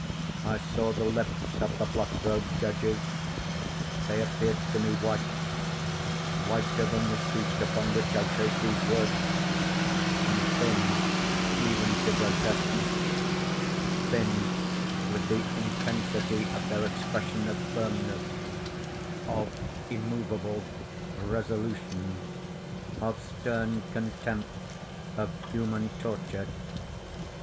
I saw the lips of the black robed judges. They appeared to me white—whiter than the sheet upon which I trace these words—and thin even to grotesqueness; thin with the intensity of their expression of firmness—of immoveable resolution—of stern contempt of human torture.